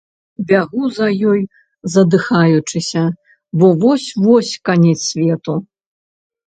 Бягу за ёю, задыхаючыся, бо вось-вось канец свету.